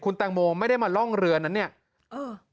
แตงโมไม่ได้มาล่องเรือนั้นเนี่ยเออ